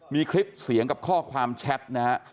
มีคลิปเสียงกับข้อความแชทนะฮะ